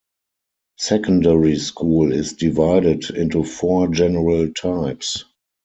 Secondary school is divided into four general types.